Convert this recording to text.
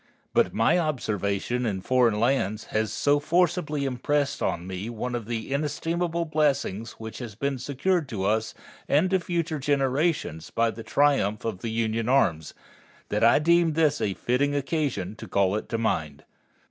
But my observation in foreign lands has so forcibly impressed on me one of the inestimable blessings which has been secured to us and to future generations by the triumph of the Union arms, that I deem this a fitting occasion to call it to mind.